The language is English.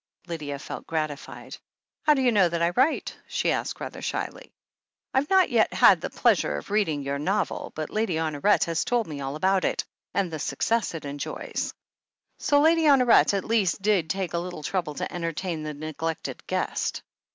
Lydia felt gratified. "How do you know that I write?" she asked rather shyly. "I've not yet had the pleasure of reading your novel. THE HEEL OF ACHILLES 295 but Lady Honoret has told me all about it, and the success it enjoys." So Lady Honoret, at least, did take a little trouble to entertain the neglected guest